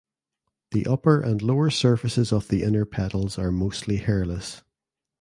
The upper and lower surfaces of the inner petals are mostly hairless.